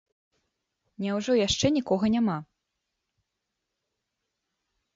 Няўжо яшчэ нікога няма?